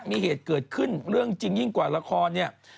มีเหตุเกิดขึ้นเรื่องจริงยิ่งกว่าละครเนี่ย